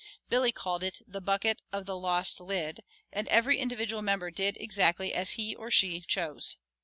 Billy called it "The Bucket of the Lost Lid," and every individual member did exactly as he or she chose.